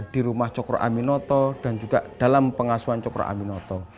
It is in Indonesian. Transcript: di rumah cokro aminoto dan juga dalam pengasuhan cokro aminoto